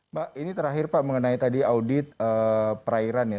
mbak ini terakhir pak mengenai tadi audit perairan ya